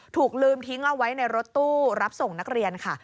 ถูกลืมทิ้งเอาไว้ในรถตู้รับส่งนักเรียนค่ะ